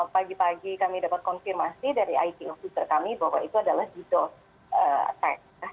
pagi pagi kami dapat konfirmasi dari ito future kami bahwa itu adalah bidos attack